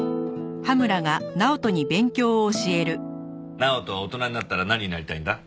直人は大人になったら何になりたいんだ？